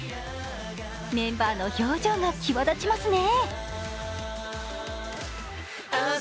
メンバーの表情が際立ちますね。